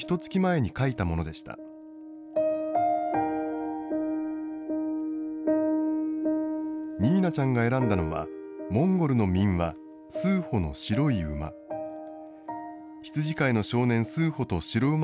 にいなちゃんが選んだのは、モンゴルの民話、スーホの白い馬。